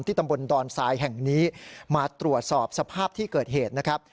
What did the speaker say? ตำบลดอนทรายแห่งนี้มาตรวจสอบสภาพที่เกิดเหตุนะครับ